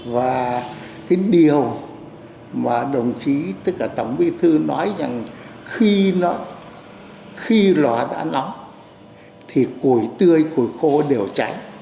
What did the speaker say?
và cái điều mà đồng chí tất cả tổng bí thư nói rằng khi nó đã nóng thì củi tươi củi khô đều cháy